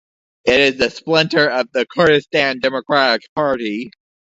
It is a splinter of the Kurdistan Democratic Party.